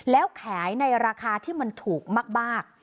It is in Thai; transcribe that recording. แล้วขายในราคาที่มันถูกมาก